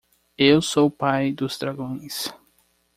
Eu sou o pai dos dragões.